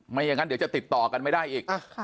ไม่อย่างนั้นเดี๋ยวจะติดต่อกันไม่ได้อีก